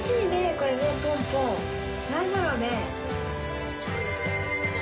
これねポンポン何だろうね。